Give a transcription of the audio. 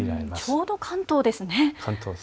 ちょうど関東ですね。